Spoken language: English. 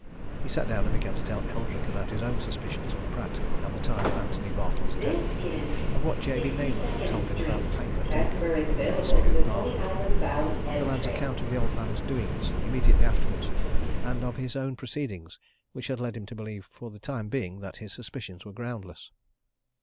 He sat down and began to tell Eldrick about his own suspicions of Pratt at the time of Antony Bartle's death; of what Jabey Naylor had told him about the paper taken from the History of Barford; of the lad's account of the old man's doings immediately afterwards; and of his own proceedings which had led him to believe for the time being that his suspicions were groundless.